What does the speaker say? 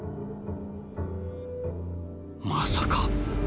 まさか。